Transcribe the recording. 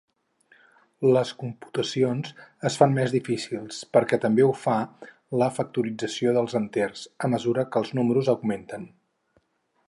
Les computacions es fan més difícils, perquè també ho fa la factorització dels enters, a mesura que els números augmenten.